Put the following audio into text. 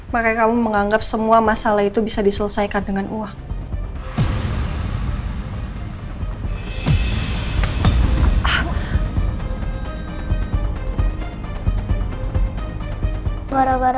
makanya kamu menganggap semua masalah itu bisa diselesaikan dengan uang